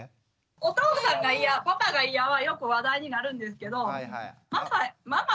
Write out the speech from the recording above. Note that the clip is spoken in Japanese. お父さんが嫌パパが嫌はよく話題になるんですけどママ